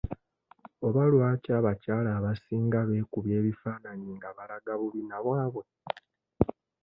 Oba lwaki abakyala abasinga beekubya ebifaananyi nga balaga bubina bwabwe?